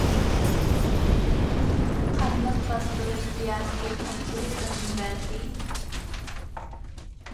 قانلىق باستۇرۇش سىياسىتى قانچىلىك ئۈنۈم بەردى؟ !